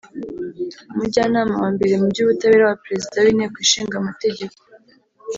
umujyanama wa mbere mu by’ubutabera wa Perezida w’Inteko Ishinga Amategeko